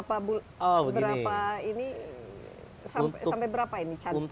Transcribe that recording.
minimal tahun berapa ini sampai berapa ini